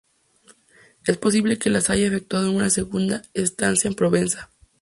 Es posible que las haya efectuado en su segunda estancia en Provenza.